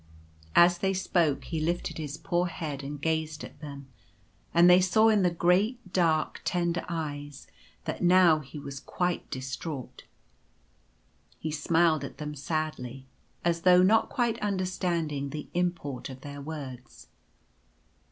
As they spoke he lifted his poor head and gazed at them ; and they saw in the great, dark, tender eyes that now he was quite distraught. He smiled at them sadly,' as though not quite understanding the import of their words.